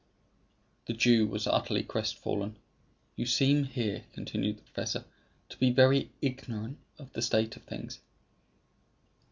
The Jew was utterly crestfallen. "You seem here," continued the professor, "to be very ignorant of the state of things."